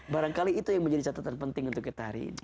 barangkali itu yang menjadi catatan penting untuk kita hari ini